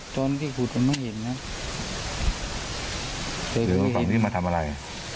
จนที่ขูดมันไม่เห็นนะเดินมาฝังนี้มาทำอะไร